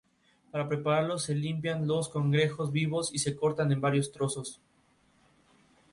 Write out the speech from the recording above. Para prepararlo, se limpian los cangrejos vivos y se cortan en varios trozos.